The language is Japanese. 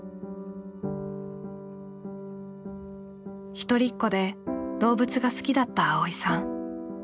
一人っ子で動物が好きだった蒼依さん。